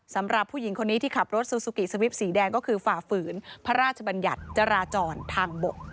สำหรับผู้หญิงคนนี้ที่ขับรถซูซูกิสวิปสีแดงก็คือฝ่าฝืนพระราชบัญญัติจราจรทางบก